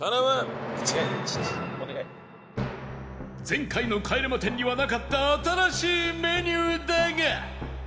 前回の帰れま１０にはなかった新しいメニューだが